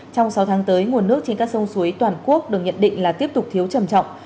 trong sáu tháng tới nguồn nước trên các sông suối toàn quốc được nhận định là tiếp tục thiếu trầm trọng